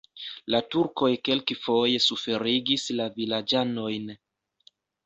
La turkoj kelkfoje suferigis la vilaĝanojn.